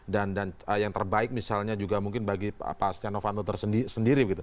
dan yang terbaik misalnya juga mungkin bagi pak astiano vanto sendiri